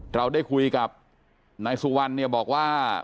เราได้คุยกับนายสุวรรณเนี่ยบอกว่า